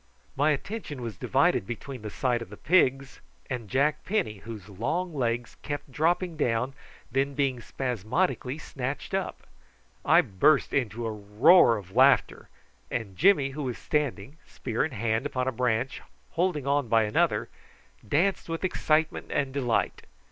My attention was divided between the sight of the pigs and Jack Penny, whose long legs kept dropping down, and then being spasmodically snatched up. I burst into a roar of laughter, and Jimmy, who was standing, spear in hand, upon a branch, holding on by another, danced with excitement and delight.